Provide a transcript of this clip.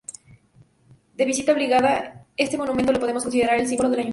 De visita obligada, este monumento lo podemos considerar el símbolo del ayuntamiento.